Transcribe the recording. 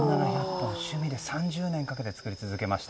趣味で３０年かけて作り続けました。